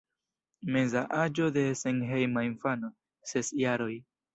Meza aĝo de senhejma infano: ses jaroj.